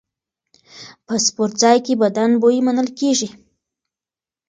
په سپورتځای کې بدن بوی منل کېږي.